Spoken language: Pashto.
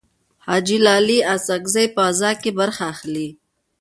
حاجي لالي اڅکزی په غزاکې برخه اخلي.